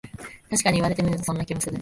たしかに言われてみると、そんな気もする